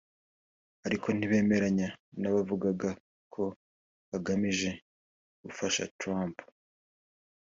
ariko ntibemeranya n’abavugaga ko bari bagamije gufasha Trump